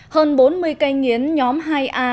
hơn bốn mươi cây nghiến nhóm hai a